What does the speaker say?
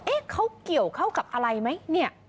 เขาเกี่ยวเข้ากับอะไรไหมเนี่ย